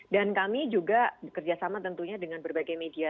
dan kami juga bekerjasama tentunya dengan berbagai media